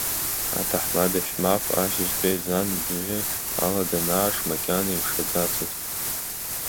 Аҭаҳмада Шьмаф, ашьыжьтәи езан абжьы ала данааԥш, макьана имшаӡацызт.